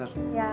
ya permisi pak